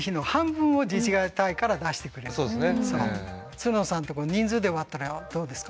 つるのさんのところ人数で割ったらどうですか。